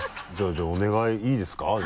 じゃあお願いいいですか？